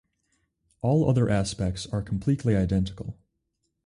All other aspects are completely identical.